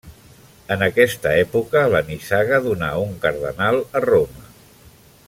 En aquesta època la nissaga donà un cardenal a Roma.